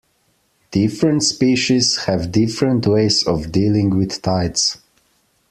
Different species have different ways of dealing with tides.